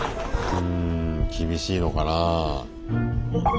うん厳しいのかなぁ。